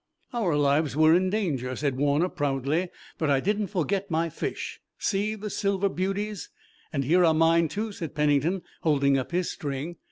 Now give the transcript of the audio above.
"Our lives were in danger," said Warner proudly, "but I didn't forget my fish. See, the silver beauties!" "And here are mine too!" said Pennington, holding up his string.